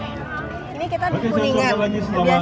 ini kita dikuningkan